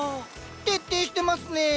徹底してますねえ。